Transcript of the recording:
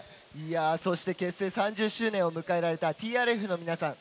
そして結成３０周年を迎えられたＴＲＦの皆さん。